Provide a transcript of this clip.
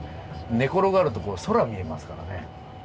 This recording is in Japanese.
寝転がると空見えますからね。